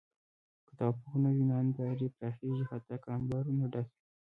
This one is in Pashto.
که توافق نه وي، ناندرۍ پراخېږي حتی که انبارونه ډک وي.